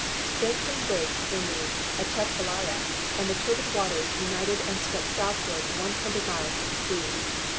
Then came breaks in the Atchafalaya, and the turbid waters united and swept southward one hundred miles to the sea.